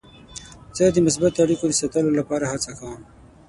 زه د مثبتو اړیکو د ساتلو لپاره هڅه کوم.